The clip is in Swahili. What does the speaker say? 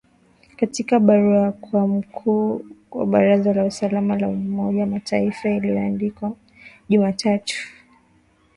Katika barua kwa mkuu wa Baraza la Usalama la Umoja wa Mataifa iliyoandikwa Jumatatu